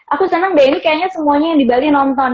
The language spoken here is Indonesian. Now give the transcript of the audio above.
aku senang deh ini kayaknya semuanya yang di bali nonton